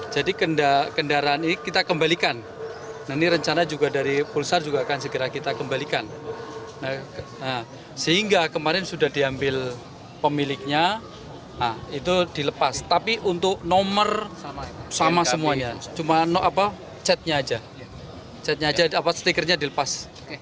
jatuhnya aja jatuhnya aja apa stikernya dilepas